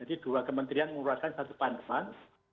jadi dua kementerian mengeluarkan satu panduan